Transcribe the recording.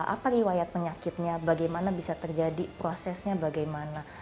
apa riwayat penyakitnya bagaimana bisa terjadi prosesnya bagaimana